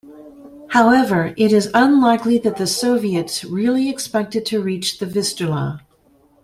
However, it is unlikely that the Soviets really expected to reach the Vistula.